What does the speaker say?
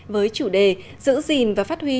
với chủ đề giữ gìn và phát huy